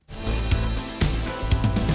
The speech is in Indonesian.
nah ini juga